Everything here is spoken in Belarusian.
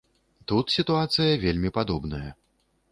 Тут сітуацыя вельмі падобная.